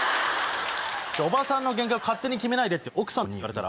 おばさんの限界を勝手に決めないでって言われたら？